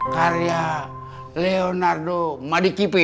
karya leonardo madikipi